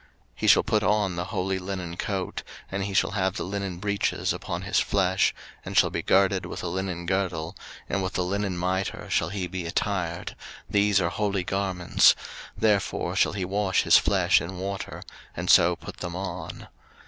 03:016:004 He shall put on the holy linen coat, and he shall have the linen breeches upon his flesh, and shall be girded with a linen girdle, and with the linen mitre shall he be attired: these are holy garments; therefore shall he wash his flesh in water, and so put them on.